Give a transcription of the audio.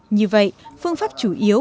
như vậy phương pháp chủ yếu